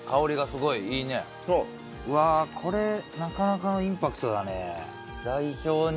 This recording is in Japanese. うわこれなかなかのインパクトだね。